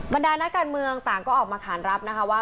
ดานักการเมืองต่างก็ออกมาขานรับนะคะว่า